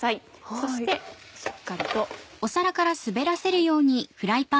そしてしっかりと。